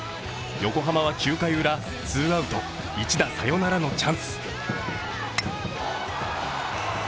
横浜は９回ウラ、ツーアウト１打サヨナラのチャンス。